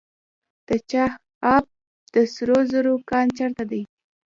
د چاه اب د سرو زرو کان چیرته دی؟